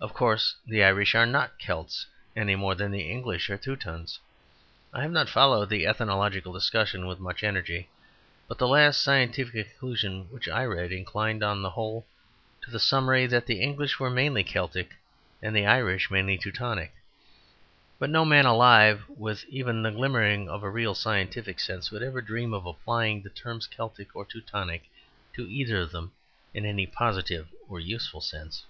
Of course, the Irish are not Celts any more than the English are Teutons. I have not followed the ethnological discussion with much energy, but the last scientific conclusion which I read inclined on the whole to the summary that the English were mainly Celtic and the Irish mainly Teutonic. But no man alive, with even the glimmering of a real scientific sense, would ever dream of applying the terms "Celtic" or "Teutonic" to either of them in any positive or useful sense.